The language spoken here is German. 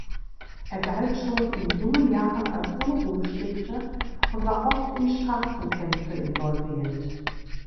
Er galt schon in jungen Jahren als Unruhestifter und war oft in Straßenkämpfe involviert.